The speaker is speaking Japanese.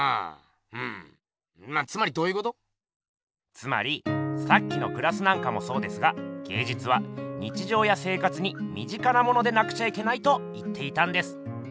つまりさっきのグラスなんかもそうですが芸術は日じょうや生活にみ近なものでなくちゃいけないと言っていたんです。